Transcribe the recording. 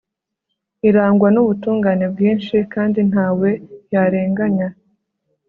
irangwa n'ubutungane bwinshi, kandi nta we yarenganya